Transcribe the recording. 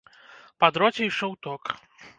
Па дроце ішоў ток.